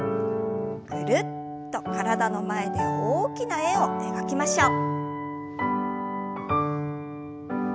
ぐるっと体の前で大きな円を描きましょう。